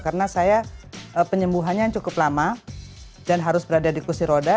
karena saya penyembuhannya cukup lama dan harus berada di kusi roda